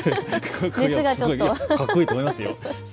かっこいいと思いますよ。